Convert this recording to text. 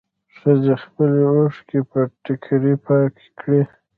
ښځې خپلې اوښکې په ټيکري پاکې کړې.